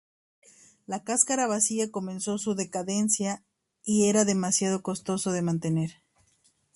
La cáscara vacía comenzó su decadencia y era demasiado costoso de mantener.